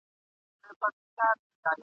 زما پر خاوره زېږېدلی بیرغ غواړم ..